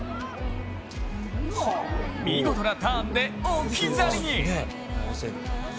見事なターンで置き去りに。